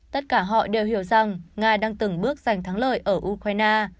tất cả họ đều hiểu rằng nga đang từng bước giành thắng lợi ở ukraine